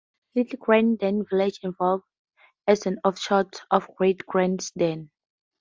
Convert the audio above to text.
Little Gransden village evolved as an offshoot of Great Gransden.